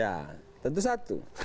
ya tentu satu